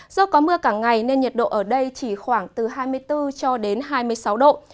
do có mưa cả ngày nên nhiệt độ ở đây chỉ khoảng từ hai mươi bốn cho đến hai mươi sáu độ